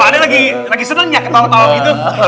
pak ade lagi senengnya ketawa ketawa gitu